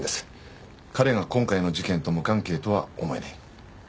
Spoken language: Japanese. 彼が今回の事件と無関係とは思えない。